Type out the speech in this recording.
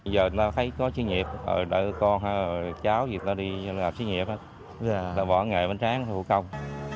giờ ta thấy có sĩ nghiệp đợi con cháu gì ta đi làm sĩ nghiệp ta bỏ nghề bánh tráng vô công